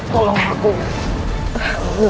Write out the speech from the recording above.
bagaimana cara menangani masalah ini